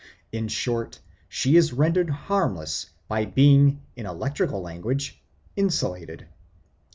In short, she is rendered harmless by being, in electrical language, insulated.